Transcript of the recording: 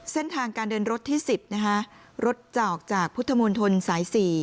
เส้นทางการเดินรถที่๑๐นะคะรถจะออกจากพุทธมนตรสาย๔